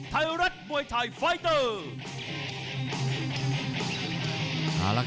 ไทยรัฐมวยไทยไฟเตอร์